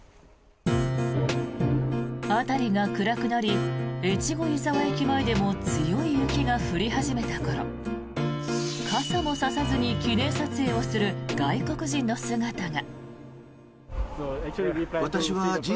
辺りが暗くなり越後湯沢駅前でも強い雪が降り始めた頃傘も差さずに記念撮影をする外国人の姿が。